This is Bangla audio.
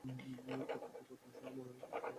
এই কবর থেকে উত্তম, সুন্দর ও মনোরম কবর কখনও দেখা যায়নি।